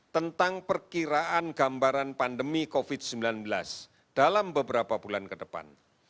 tentang perkiraan gambaran pandemi covid sembilan belas dalam beberapa bulan ke depan